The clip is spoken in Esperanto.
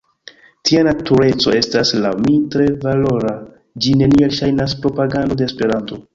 Tia natureco estas, laŭ mi, tre valora, ĝi neniel ŝajnas propagando de Esperanto.